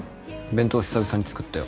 弁当久々に作ったよ。